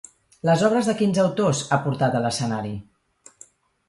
Les obres de quins autors ha portat a l'escenari?